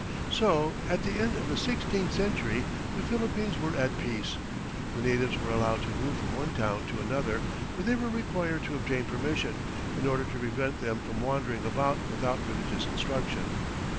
So at the end of the sixteenth century the Philippines were at peace. The natives were allowed to move from one town to another, but they were required to obtain permission, in order to prevent them from wandering about without religious instruction.